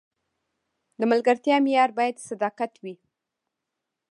د ملګرتیا معیار باید صداقت وي.